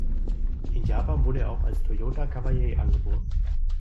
In Japan wurde er auch als Toyota Cavalier angeboten.